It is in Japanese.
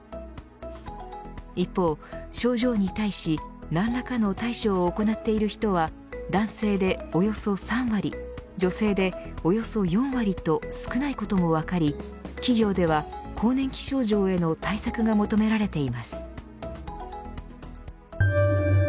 一方、症状に対し何らかの対処を行っている人は男性でおよそ３割女性でおよそ４割と少ないことも分かり企業では、更年期症状への対策が求められています。